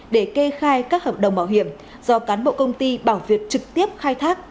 để kê khai các hợp đồng bảo hiểm do cán bộ công ty bảo việt trực tiếp khai thác